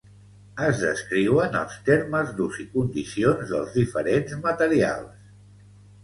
Es descriuen els termes d'ús i condicions dels diferents materials.